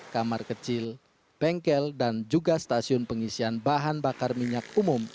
kamar kecil bengkel dan juga stasiun pengisian bahan bakar minyak umum